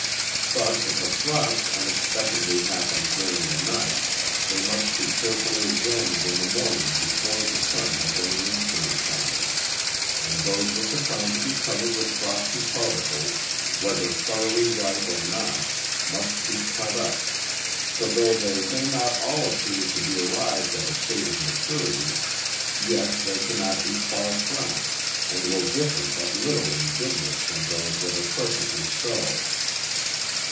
But if a frost unexpectedly happens during the night, they must be carefully examined in the morning before the sun has any influence on them; and those which are found to be covered with frosty particles, whether thoroughly ripe or not, must be cut up: for though they may not all appear to be arrived at a state of maturity, yet they cannot be far from it, and will differ but little in goodness from those that are perfectly so.